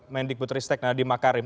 mendik butristek nadiemakarim